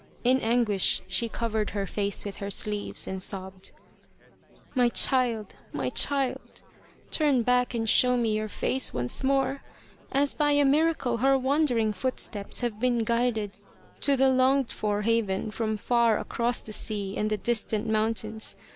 In anguish she covered her face with her sleeves and sobbed :" My child my child turn back and show me your face once more ! As by a miracle her wandering footsteps have been guided to the longed for haven from far across the sea and the distant mountains.